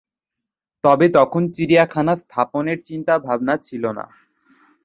তবে তখন চিড়িয়াখানা স্থাপনের চিন্তা-ভাবনা ছিল না।